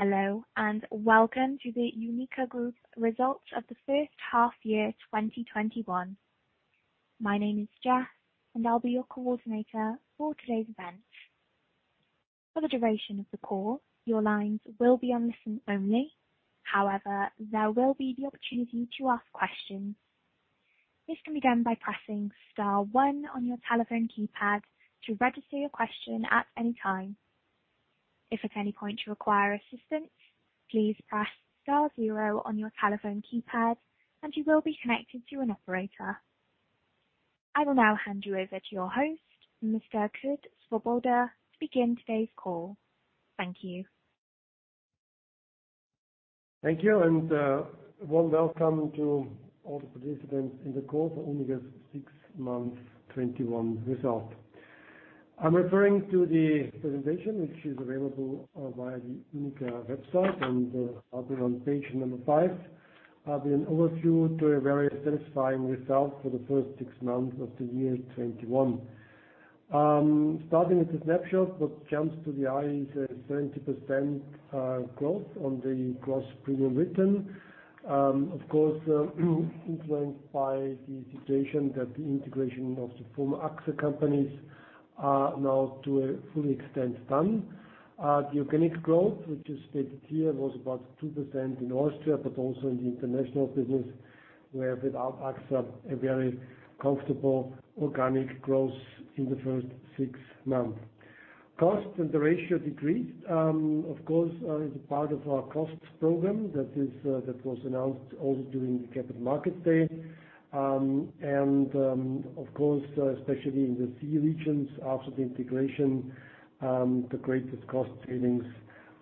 Hello, and welcome to the UNIQA Group results of the first half year 2021. My name is Jess, and I'll be your coordinator for today's event. For the duration of the call, your lines will be on listen only. However, there will be the opportunity to ask questions. This can be done by pressing star one on your telephone keypad to register your question at any time. If at any point you require assistance, please press star zero on your telephone keypad and you will be connected to an operator. I will now hand you over to your host, Mr. Kurt Svoboda, to begin today's call. Thank you. Thank you, a warm welcome to all the participants in the call for UNIQA's six months 2021 result. I am referring to the presentation, which is available via the UNIQA website and starting on page five, an overview to a very satisfying result for the first six months of the year 2021. Starting with the snapshot, what jumps to the eye is a 30% growth on the gross premium written. Of course, influenced by the situation that the integration of the former AXA companies are now to a full extent done. The organic growth, which is stated here, was about 2% in Austria, but also in the international business, where without AXA, a very comfortable organic growth in the first six months. Costs and the ratio decreased, of course, is a part of our costs program that was announced also during the Capital Markets Day. Of course, especially in the CEE regions, after the integration, the greatest cost savings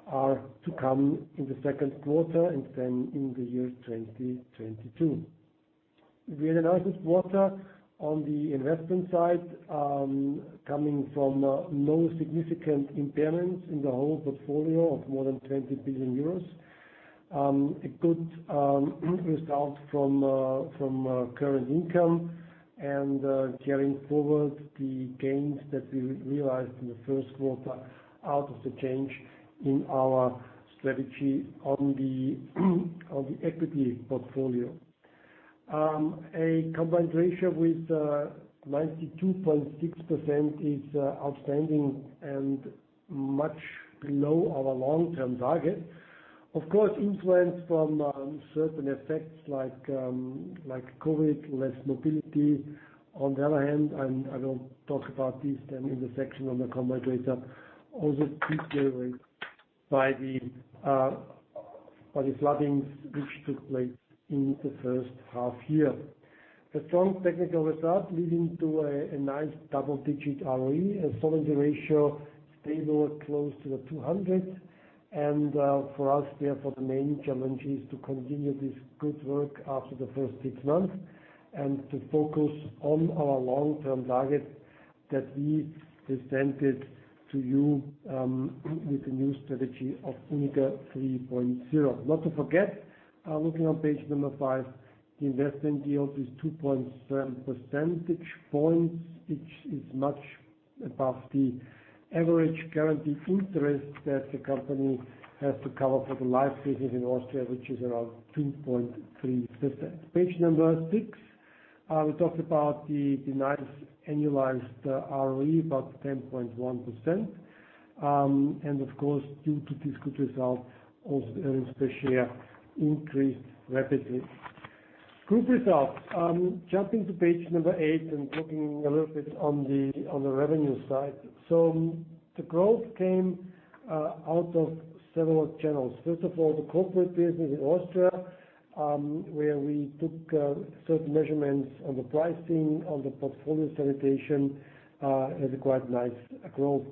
are to come in the second quarter and then in the year 2022. Really nice this quarter on the investment side, coming from no significant impairments in the whole portfolio of more than 20 billion euros. A good result from current income and carrying forward the gains that we realized in the first quarter out of the change in our strategy on the equity portfolio. A combined ratio with 92.6% is outstanding and much below our long-term target. Of course, influenced from certain effects like COVID, less mobility. On the other hand, I will talk about this then in the section on the combined ratio, also deteriorated by the floodings which took place in the first half year. The strong technical result leading to a nice double-digit ROE. Solvency ratio stable close to the 200. For us, therefore, the main challenge is to continue this good work after the first six months and to focus on our long-term target that we presented to you with the new strategy of UNIQA 3.0. Not to forget, looking on page number five, the investment yield is 2 percentage points, which is much above the average guarantee interest that the company has to cover for the life business in Austria, which is around 2.3%. Page number six. We talked about the nice annualized ROE, about 10.1%. Of course, due to this good result, also earnings per share increased rapidly. Group results. Jumping to page number eight and looking a little bit on the revenue side. The growth came out of several channels. First of all, the corporate business in Austria, where we took certain measurements on the pricing, on the portfolio segmentation, has a quite nice growth.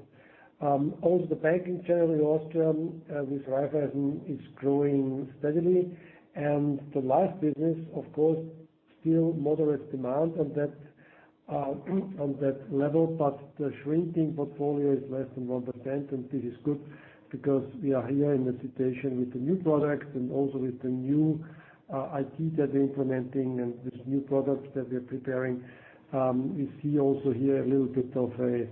Also, the banking channel in Austria with Raiffeisen is growing steadily. The life business, of course, still moderate demand on that level, but the shrinking portfolio is less than 1%, and this is good because we are here in a situation with the new products and also with the new IT that we're implementing and with new products that we're preparing. We see also here a little bit of a,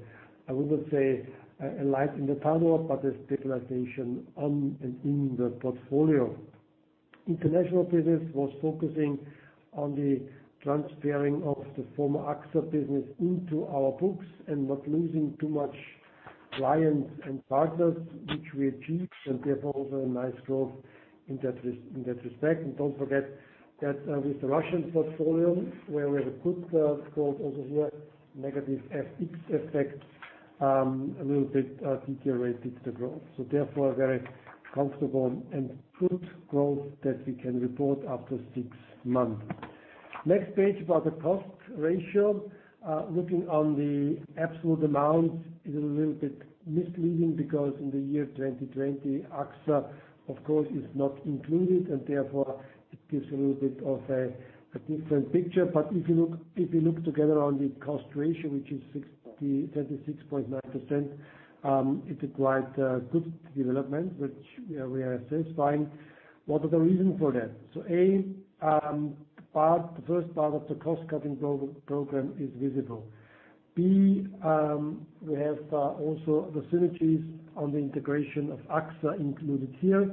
I wouldn't say a light in the tunnel, but a stabilization on and in the portfolio. International business was focusing on the transferring of the former AXA business into our books and not losing too much clients and partners, which we achieved, and therefore, also a nice growth in that respect. Don't forget that with the Russian portfolio, where we have a good growth also here, negative FX effects, a little bit deteriorated the growth. Therefore, a very comfortable and good growth that we can report after six months. Next page about the cost ratio. Looking on the absolute amounts is a little bit misleading because in the year 2020, AXA, of course, is not included, and therefore it gives a little bit of a different picture. If you look together on the cost ratio, which is 26.9%, it's a quite good development, which we are satisfying. What are the reasons for that? A, the first part of the cost-cutting program is visible. B, we have also the synergies on the integration of AXA included here.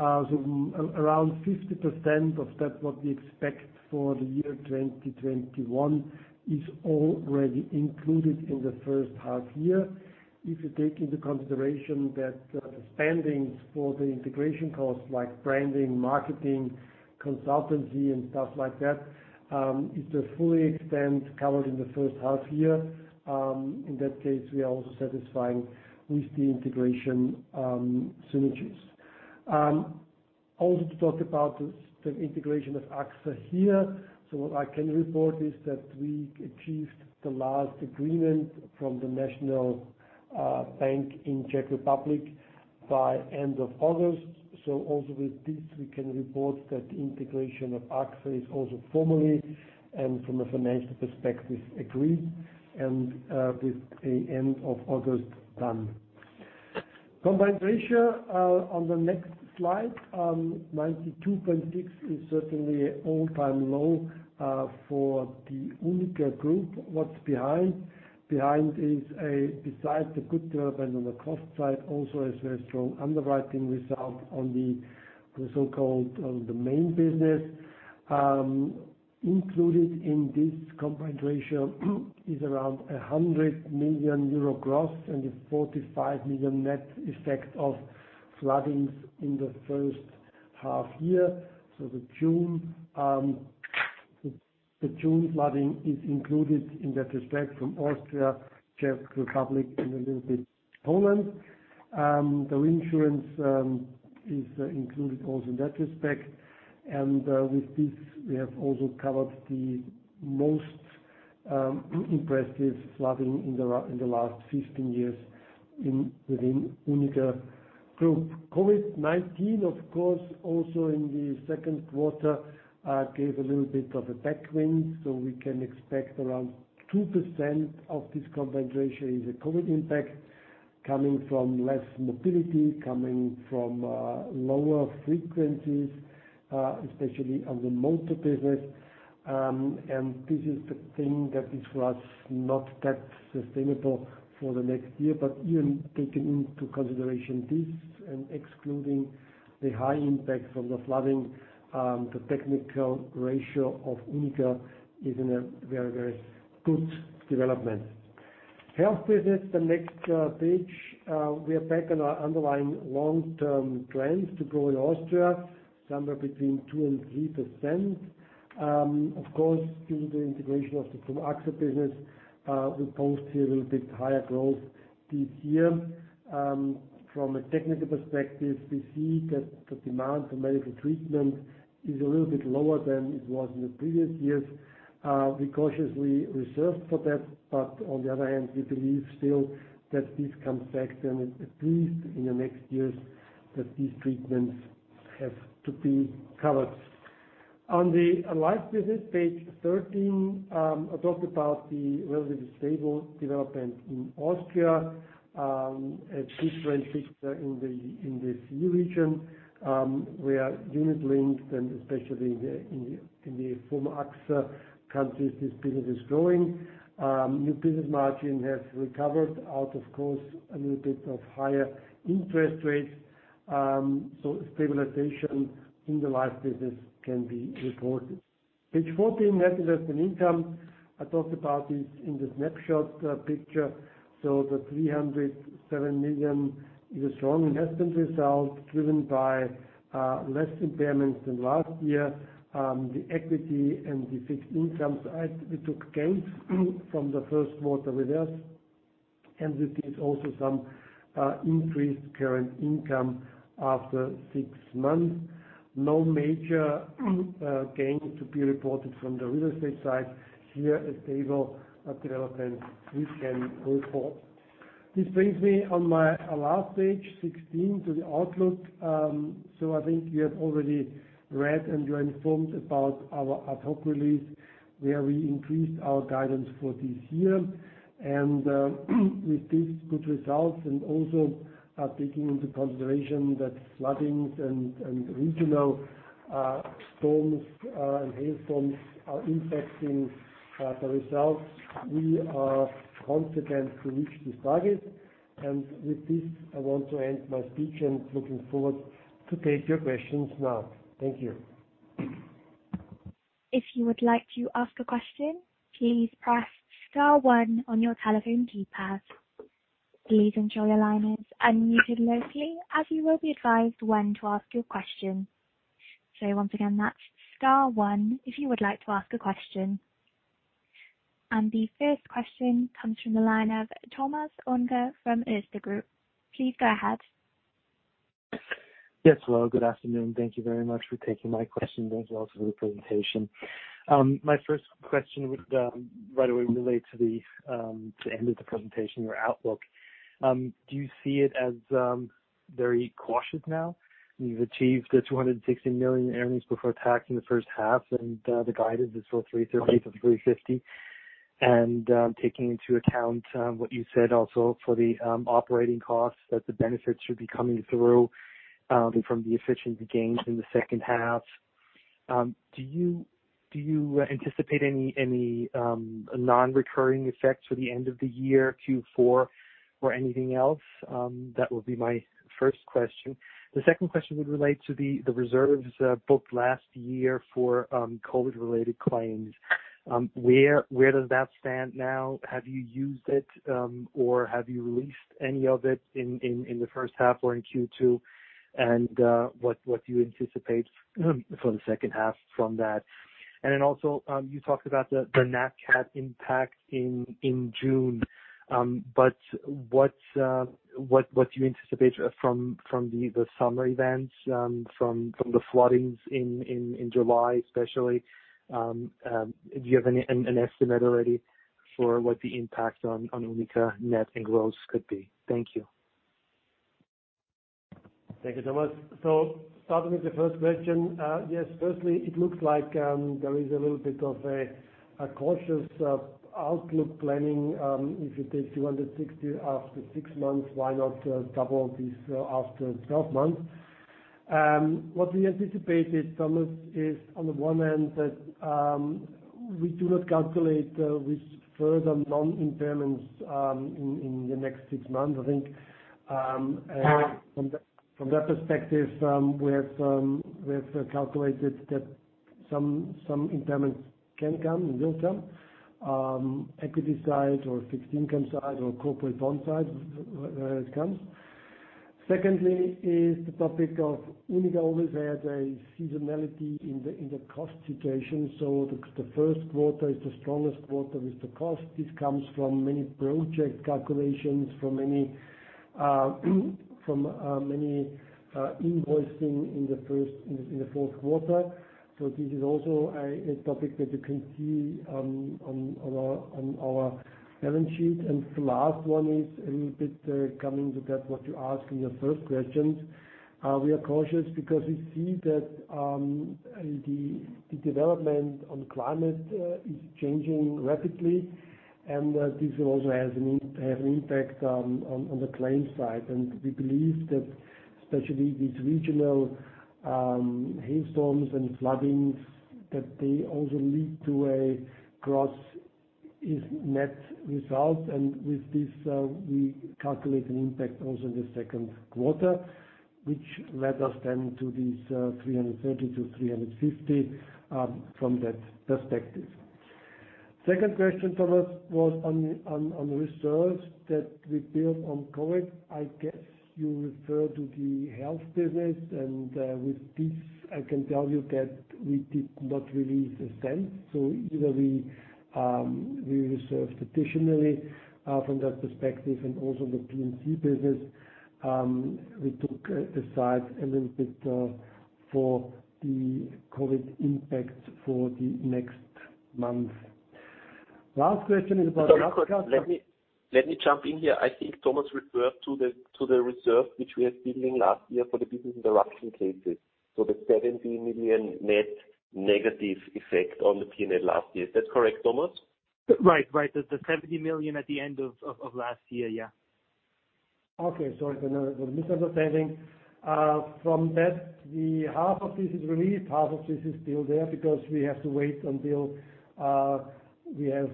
Around 50% of that, what we expect for the year 2021, is already included in the first half year. If you take into consideration that the spendings for the integration costs like branding, marketing, consultancy, and stuff like that, it's fully extent covered in the first half year. In that case, we are also satisfying with the integration synergies. Also to talk about the integration of AXA here. What I can report is that we achieved the last agreement from the national bank in Czech Republic by end of August. Also with this, we can report that the integration of AXA is also formally and from a financial perspective, agreed, and with the end of August done. Combined ratio on the next slide, 92.6 is certainly all-time low for the UNIQA Group. What's behind? Behind is a, besides the good development on the cost side, also a very strong underwriting result on the so-called main business. Included in this combined ratio is around 100 million euro gross and a 45 million net effect of floodings in the first half year. The June flooding is included in that respect from Austria, Czech Republic, and a little bit Poland. The reinsurance is included also in that respect. With this, we have also covered the most impressive flooding in the last 15 years within UNIQA Group. COVID-19, of course, also in the second quarter, gave a little bit of a backwind. We can expect around 2% of this combined ratio is a COVID impact coming from less mobility, coming from lower frequencies, especially on the motor business. This is the thing that is for us, not that sustainable for the next year. Even taking into consideration this and excluding the high impact from the flooding, the technical ratio of UNIQA is in a very, very good development. Health business, the next page. We are back on our underlying long-term trends to grow in Austria, somewhere between 2% and 3%. Of course, due to the integration of the former AXA business, we post here a little bit higher growth this year. From a technical perspective, we see that the demand for medical treatment is a little bit lower than it was in the previous years. We cautiously reserved for that, but on the other hand, we believe still that this comes back then, at least in the next years, that these treatments have to be covered. On the life business, page 13, I talked about the relatively stable development in Austria, at [6%] in the CEE region, where Unit-linked and especially in the former AXA countries, this business is growing. New business margin has recovered out, of course, a little bit of higher interest rates. Stabilization in the life business can be reported. Page 14, net interest and income. I talked about this in the snapshot picture. The 307 million is a strong investment result, driven by less impairments than last year. The equity and the fixed income side, we took gains from the first quarter with us, and we see also some increased current income after six months. No major gains to be reported from the real estate side. Here, a stable development we can report. This brings me on my last page, 16, to the outlook. I think you have already read and you're informed about our ad hoc release, where we increased our guidance for this year. With these good results and also taking into consideration that floodings and regional storms and hail storms are impacting the results, we are confident to reach this target. With this, I want to end my speech and looking forward to take your questions now. Thank you. If you would like to ask a question, please press star one on your telephone keypad. Please ensure your line is unmuted locally, as you will be advised when to ask your question. Once again, that's star one if you would like to ask a question. The first question comes from the line of Thomas Unger from Erste Group. Please go ahead. Yes. Hello, good afternoon. Thank Thank you very much for taking my question. Thanks also for the presentation. My first question would right away relate to the end of the presentation, your outlook. Do you see it as very cautious now? You've achieved the 260 million earnings before tax in the first half. The guidance is for 330 million-350 million. Taking into account what you said also for the operating costs, that the benefits should be coming through from the efficiency gains in the second half. Do you anticipate any non-recurring effects for the end of the year, Q4, or anything else? That would be my first question. The second question would relate to the reserves booked last year for COVID-19-related claims. Where does that stand now? Have you used it, or have you released any of it in the first half or in Q2? What do you anticipate for the second half from that? Also, you talked about the NatCat impact in June. What do you anticipate from the summer events, from the floodings in July, especially? Do you have an estimate already for what the impact on UNIQA net and growth could be? Thank you. Thank you, Thomas. Starting with the first question. Yes, firstly, it looks like there is a little bit of a cautious outlook planning. If you take 260 million after six months, why not double this after 12 months? What we anticipated, Thomas, is on the one hand, that we do not calculate with further non-impairments in the next six months. I think from that perspective, we have calculated that some impairments can come and will come. Equity side or fixed income side or corporate bond side, where it comes. Secondly, is the topic of UNIQA always had a seasonality in the cost situation. The first quarter is the strongest quarter with the cost. This comes from many project calculations, from many invoicing in the first, fourth quarter. This is also a topic that you can see on our balance sheet. The last one is a little bit coming to that what you asked in your first questions. We are cautious because we see that the development on climate is changing rapidly, and this also has an impact on the claims side. We believe that especially these regional hailstorms and floodings, that they also lead to a gross net result. With this, we calculate an impact also in the second quarter, which led us then to this 330 million-350 million from that perspective. Second question, Thomas, was on reserve that we built on COVID. I guess you refer to the health business. With this, I can tell you that we did not release a cent. Either we reserve additionally from that perspective and also the P&C business. We took aside a little bit for the COVID impact for the next month. Let me jump in here. I think Thomas referred to the reserve, which we are billing last year for the business interruption cases. The 70 million net negative effect on the P&L last year. Is that correct, Thomas? Right. The 70 million at the end of last year. Yeah. Okay. Sorry for the misunderstanding. From that, half of this is released, half of this is still there because we have to wait until we have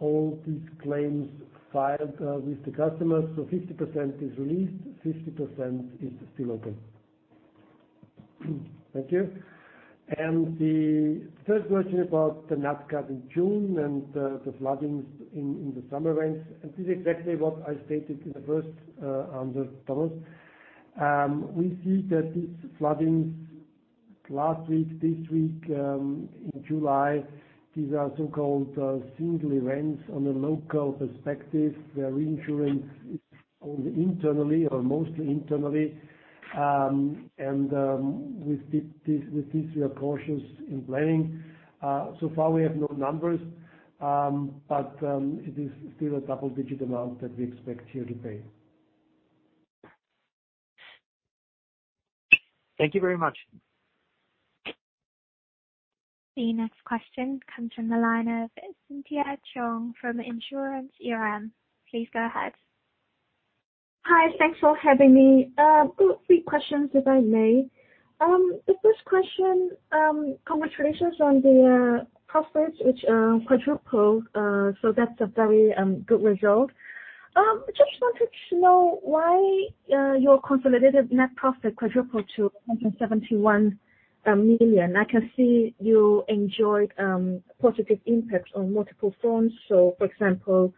all these claims filed with the customers. 50% is released, 50% is still open. Thank you. The third question about the NatCat in June and the floodings in the summer rains. This is exactly what I stated in the first, Thomas. We see that these floodings last week, this week, in July, these are so-called single events on a local perspective. The reinsurance is owned internally or mostly internally. With this, we are cautious in planning. So far we have no numbers, but it is still a double-digit EUR amount that we expect here to pay. Thank you very much. The next question comes from the line of Cintia Cheong from InsuranceERM. Please go ahead. Hi. Thanks for having me. Three questions, if I may. First question, congratulations on the profits which quadrupled. That's a very good result. Just wanted to know why your consolidated net profit quadrupled to 171 million. I can see you enjoyed positive impact on multiple fronts. For example,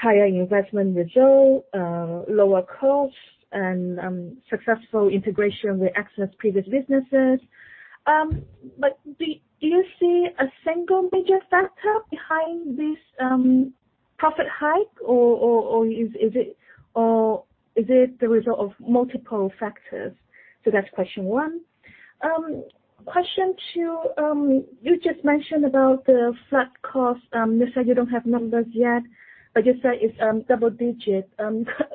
higher investment result, lower costs, and successful integration with AXA's previous businesses. Do you see a single major factor behind this profit hike, or is it the result of multiple factors? That's question one. Question two, you just mentioned about the flood cost. You said you don't have numbers yet, but you said it's double-digit.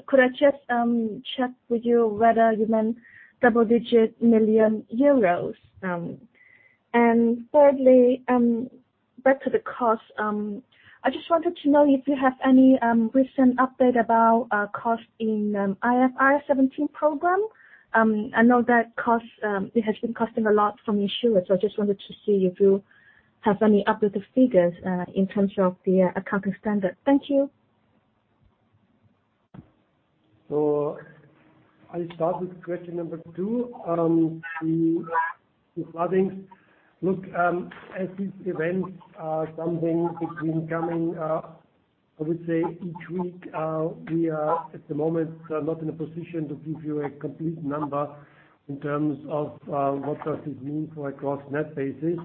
Could I just check with you whether you meant double-digit million EUR? Thirdly, back to the cost. I just wanted to know if you have any recent update about cost in IFRS 17 program. I know that it has been costing a lot from issuers. I just wanted to see if you have any updated figures in terms of the accounting standard. Thank you. I'll start with question number two, the floodings. Look, as these events are something that's been coming up, I would say each week, we are at the moment, not in a position to give you a complete number in terms of what does this mean for a gross net basis.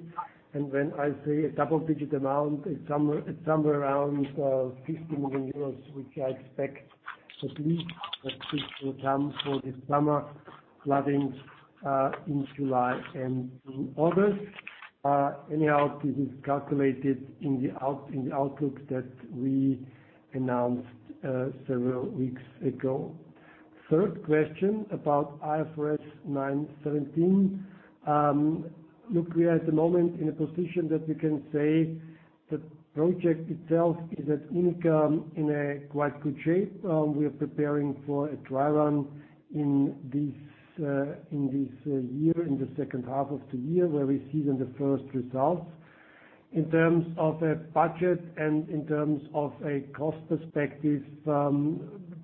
When I say a double-digit amount, it's somewhere around 50 million euros, which I expect at least that this will come for the summer floodings, in July and August. Anyhow, this is calculated in the outlook that we announced several weeks ago. Third question about IFRS 17. Look, we are at the moment in a position that we can say the project itself is at UNIQA in a quite good shape. We are preparing for a dry run in this year, in the second half of the year, where we see then the first results. In terms of a budget and in terms of a cost perspective,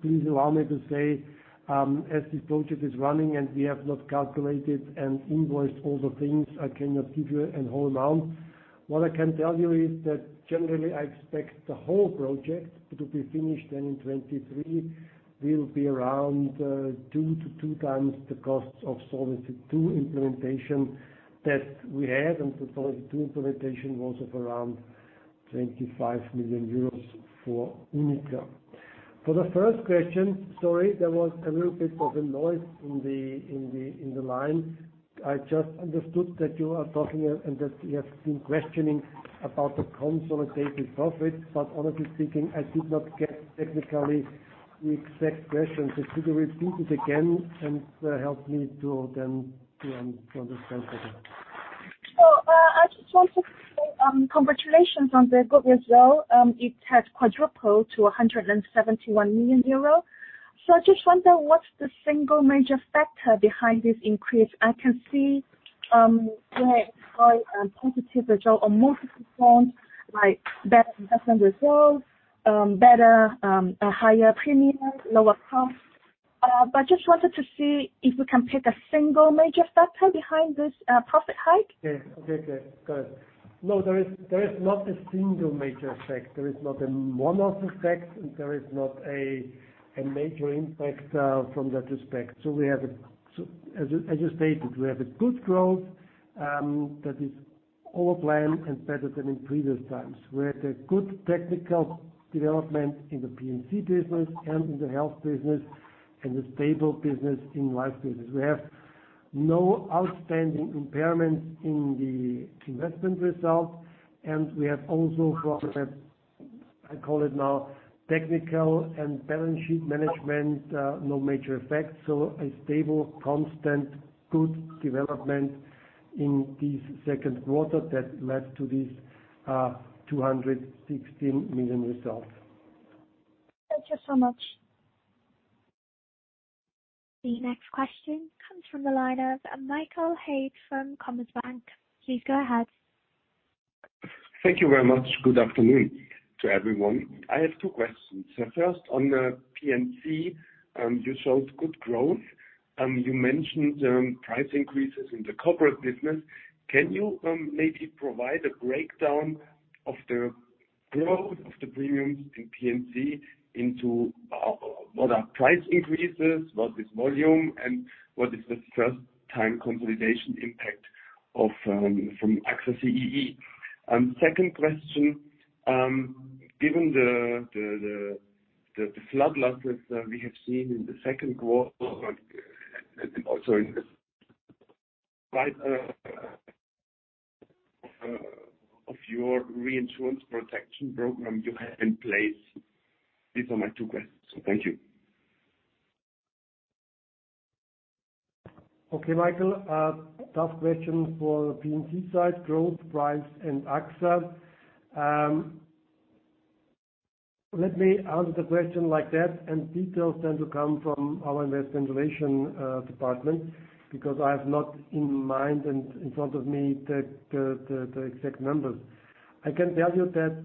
please allow me to say, as this project is running and we have not calculated and invoiced all the things, I cannot give you a whole amount. What I can tell you is that generally I expect the whole project to be finished then in 2023, will be around two to two times the costs of Solvency II implementation that we had, and the Solvency II implementation was of around 25 million euros for UNIQA. For the first question, sorry, there was a little bit of a noise in the line. I just understood that you are talking and that you have been questioning about the consolidated profit, but honestly speaking, I did not get technically the exact question. Could you repeat it again and help me to understand better? I just wanted to say congratulations on the good result. It has quadrupled to 171 million euros. I just wonder what's the single major factor behind this increase? I can see a very high positive result on multiple fronts, like better investment results, better, higher premium, lower cost. Just wanted to see if we can pick a single major factor behind this profit hike. Yes. Okay. Good. There is not a single major effect. There is not a one-off effect, and there is not a major impact from that respect. As you stated, we have a good growth that is over plan and better than in previous times. We had a good technical development in the P&C business and in the health business and a stable business in life business. We have no outstanding impairments in the investment result, and we have also what I call it now technical and balance sheet management, no major effects. A stable, constant, good development in this second quarter that led to this 216 million result. Thank you so much. The next question comes from the line of Michael Haid from Commerzbank. Please go ahead. Thank you very much. Good afternoon to everyone. I have two questions. First, on the P&C, you showed good growth. You mentioned price increases in the corporate business. Can you maybe provide a breakdown of the growth of the premiums in P&C into what are price increases, what is volume, and what is the 1st-time consolidation impact from AXA CEE? 2nd question, given the flood losses that we have seen in the 2nd quarter and also in the of your reinsurance protection program you have in place. These are my two questions. Thank you. Okay, Michael. Tough question for P&C side, growth, price, and AXA. Let me answer the question like that. Details then to come from our investor relation department, because I have not in mind and in front of me the exact numbers. I can tell you that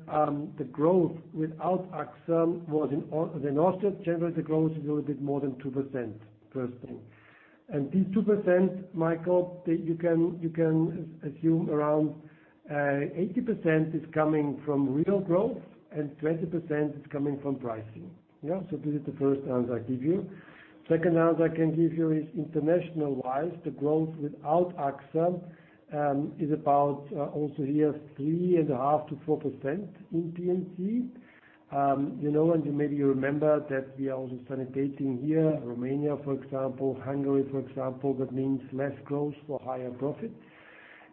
the growth without AXA was in Austria, generally the growth is a little bit more than 2%, first thing. These 2%, Michael, you can assume around 80% is coming from real growth and 20% is coming from pricing. Yeah. This is the first answer I give you. Second answer I can give you is international-wise, the growth without AXA is about also here 3.5%-4% in P&C. Maybe you remember that we are also [connotating] here, Romania, for example, Hungary, for example. That means less growth for higher profit.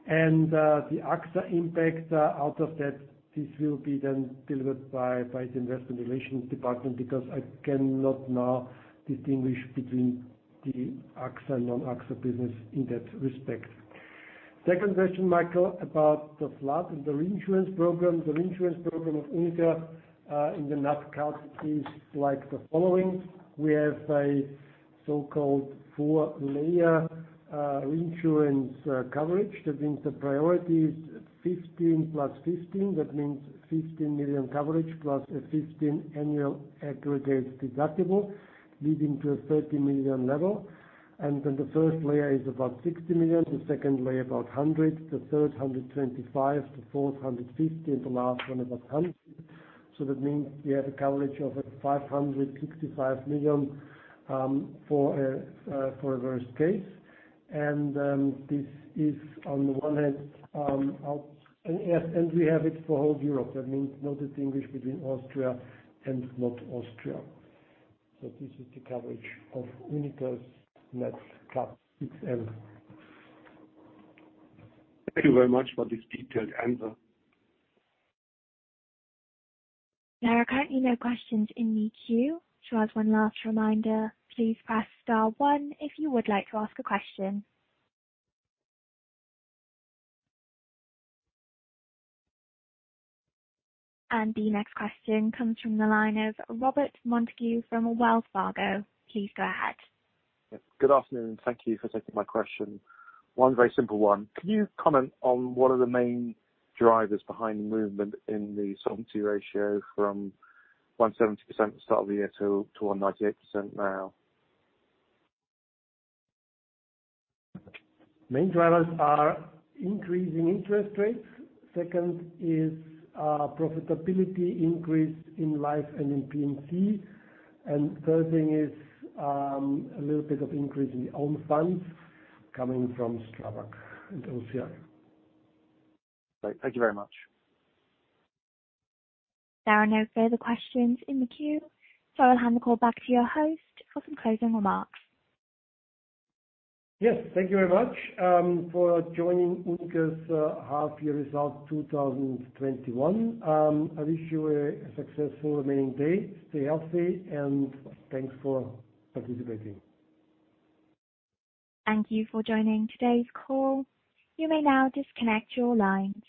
The AXA impact out of that, this will be then delivered by the investor relations department because I cannot now distinguish between the AXA and non-AXA business in that respect. Second question, Michael, about the flood and the reinsurance program. The reinsurance program of UNIQA in the NatCat is like the following. We have a so-called four-layer reinsurance coverage. That means the priority is 15 plus 15. That means 15 million coverage plus a 15 million annual aggregate deductible, leading to a 30 million level. Then the first layer is about 60 million, the second layer about 100 million, the third 125 million, the fourth 150 million, and the last one about 100 million. That means we have a coverage of EUR 565 million for a worst case. We have it for whole of Europe. That means no distinguish between Austria and not Austria.This is the coverage of UNIQA's NatCat XL. Thank you very much for this detailed answer. There are currently no questions in the queue. Just one last reminder, please press star one if you would like to ask a question. The next question comes from the line of Robert Montague from Wells Fargo. Please go ahead. Yes. Good afternoon. Thank you for taking my question. One very simple one. Can you comment on what are the main drivers behind the movement in the solvency ratio from 170% start of the year to 198% now? Main drivers are increasing interest rates. Second, is profitability increase in Life and in P&C. Third thing is, a little bit of increase in the own funds coming from STRABAG and OCI. Great. Thank you very much. There are no further questions in the queue, so I'll hand the call back to your host for some closing remarks. Yes. Thank you very much for joining UNIQA's half-year results 2021. I wish you a successful remaining day. Stay healthy and thanks for participating. Thank you for joining today's call. You may now disconnect your line.